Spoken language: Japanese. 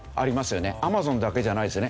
アマゾンだけじゃないですね。